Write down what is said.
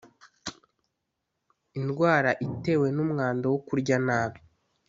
indwara itewe numwanda no kurya nabi